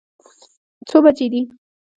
څو بجې دي.